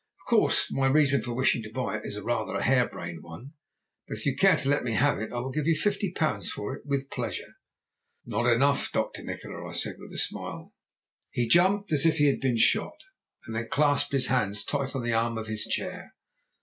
"'Of course my reason for wishing to buy it is rather a hare brained one, but if you care to let me have it I will give you fifty pounds for it with pleasure.' "'Not enough, Dr. Nikola,' I said with a smile. "He jumped as if he had been shot, and then clasped his hands tight on the arm of his chair.